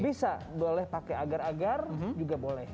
bisa boleh pakai agar agar juga boleh